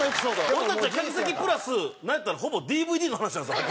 俺たちは客席プラスなんやったらほぼＤＶＤの話なんですよ。